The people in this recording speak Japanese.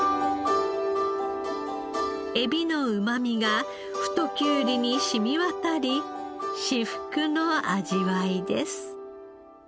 海老のうまみが太きゅうりにしみ渡り至福の味わいです。